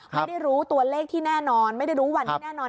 ไม่ได้รู้ตัวเลขที่แน่นอนไม่ได้รู้วันที่แน่นอน